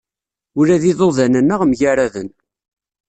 Ula d iḍuḍan-nneɣ mgaraden.